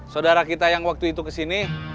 saudara kita yang waktu itu kesini